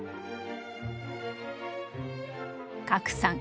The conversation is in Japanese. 加来さん